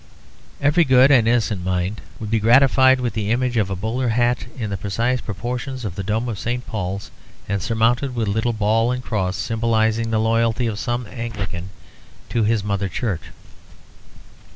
Every good and innocent mind would be gratified with the image of a bowler hat in the precise proportions of the Dome of St. Paul's, and surmounted with a little ball and cross, symbolising the loyalty of some Anglican to his mother church.